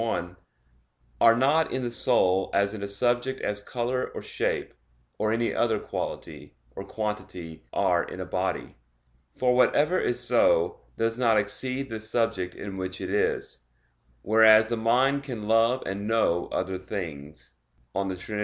1) "are not in the soul as in a subject as color or shape, or any other quality, or quantity, are in a body; for whatever is so, does not exceed the subject in which it is: Whereas the mind can love and know other things" (De Trin.